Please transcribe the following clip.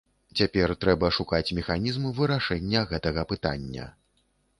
Цяпер трэба шукаць механізм вырашэння гэтага пытання.